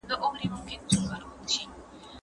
د پنجشیر مرکزي ښار بازارک دی.